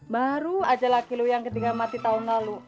baru aja laki laki lu yang ketiga mati tahun lalu